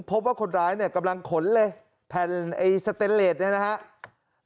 พบว่าคนร้ายกำลังขนเลยแผ่นสเตนเลสนี่นะครับ